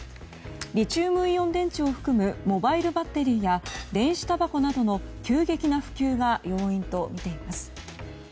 リチウムイオン電池を含むモバイルバッテリーや電子たばこなどの急激な普及が要因とみています。